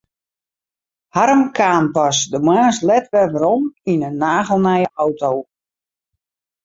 Harm kaam pas de moarns let wer werom yn in nagelnije auto.